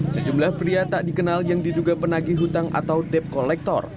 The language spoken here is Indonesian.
sejumlah pria tak dikenal yang diduga penagih hutang atau debt collector